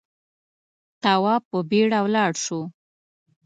تواب په بيړه ولاړ شو.